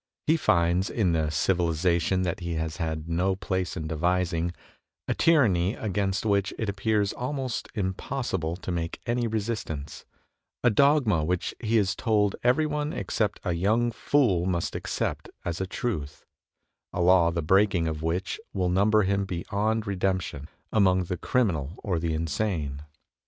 He finds in the civi lization that he has had no place in devising, a tyranny against which it appears almost impossible to make any resistance, a dogma which he is told every one except a young fool must accept as a truth, a law the break ing of which will number him beyond redemption among the criminal or the insane.